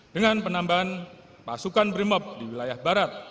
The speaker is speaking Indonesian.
dengan penambahan pasukan brimob di wilayah barat